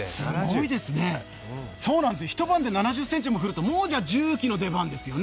一晩で７０ｃｍも降るともう重機の出番ですよね。